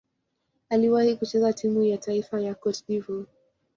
Aliwahi kucheza timu ya taifa ya Cote d'Ivoire.